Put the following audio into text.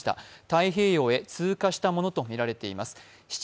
太平洋へ通過したものとみられています。